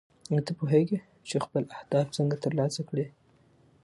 ایا ته پوهېږې چې خپل اهداف څنګه ترلاسه کړې؟